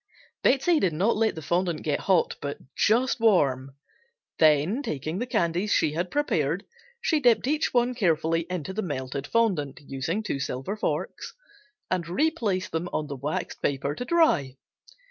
Betsey did not let the fondant get hot, but just warm, then taking the candies she had prepared she dipped each one carefully into the melted fondant (using two silver forks) and re placed on the waxed paper to dry.